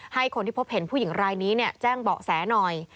ให้คนที่พบเห็นผู้หญิงรายนี้แจ้งเบาะแสหน่อย